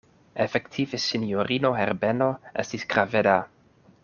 Efektive sinjorino Herbeno estis graveda.